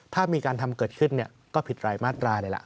ถ้ามีการทำเกิดขึ้นก็ผิดรายมาตราเลยล่ะ